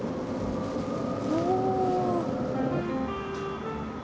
おお。